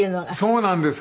そうなんです。